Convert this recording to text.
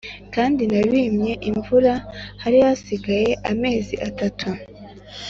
Kandi nabimye imvura hari hasigaye amezi atatu